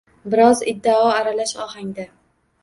Biroz iddao aralash ohangda.